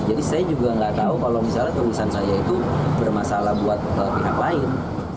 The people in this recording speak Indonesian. jadi saya juga gak tau kalau misalnya tulisan saya itu bermasalah buat pihak lain